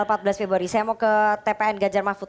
bukan ntar tanggal empat belas februari saya mau ke tpn gajar mahfud